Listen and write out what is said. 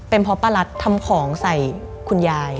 เป็นเพราะป้ารัฐทำของใส่คุณยาย